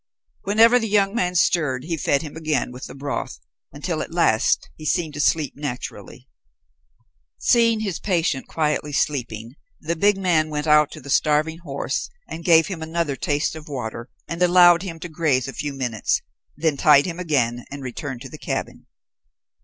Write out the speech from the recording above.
Whenever the young man stirred he fed him again with the broth, until at last he seemed to sleep naturally. Seeing his patient quietly sleeping, the big man went out to the starving horse and gave him another taste of water, and allowed him to graze a few minutes, then tied him again, and returned to the cabin.